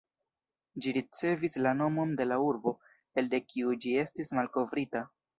Ĝi ricevis la nomon de la urbo, elde kiu ĝi estis malkovrita.